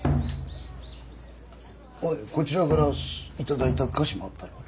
おいこちらから頂いた菓子もあったろう？